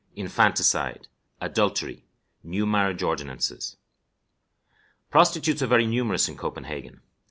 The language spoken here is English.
Infanticide. Adultery. New Marriage Ordinances. Prostitutes are very numerous in Copenhagen.